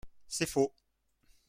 C’est faux